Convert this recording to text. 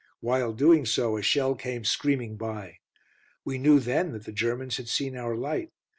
While doing so a shell came screaming by. We knew then that the Germans had seen our light.